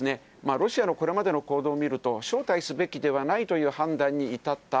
ロシアのこれまでの行動を見ると、招待すべきではないという判断に至った。